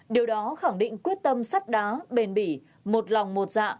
điều đó khẳng định quyết tâm sắt đá bền bỉ một lòng một dạ